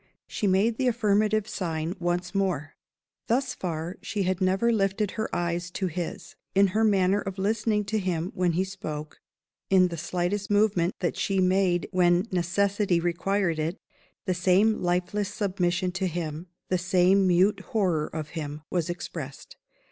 She made the affirmative sign once more. Thus far, she had never lifted her eyes to his. In her manner of listening to him when he spoke, in the slightest movement that she made when necessity required it, the same lifeless submission to him, the same mute horror of him, was expressed.